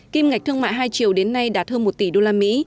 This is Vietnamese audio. kim ngạch thương mại hai triệu đến nay đạt hơn một tỷ usd